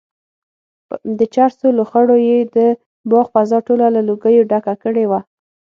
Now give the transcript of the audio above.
د چرسو لوخړو یې د باغ فضا ټوله له لوګیو ډکه کړې وه.